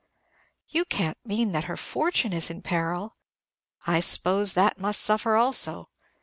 "You can't mean that her fortune is in peril?" "I suppose that must suffer also.